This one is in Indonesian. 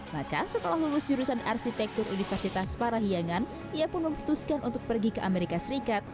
maka setelah lulus jurusan arsitektur universitas parahiangan ia pun memutuskan untuk pergi ke amerika serikat